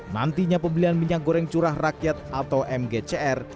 nantinya pembelian minyak goreng curah rakyat atau mgcr